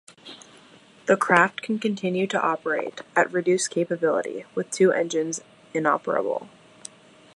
The craft can continue to operate, at reduced capability, with two engines inoperable.